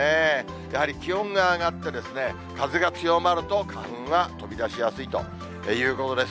やはり気温が上がって、風が強まると、花粉は飛び出しやすいということです。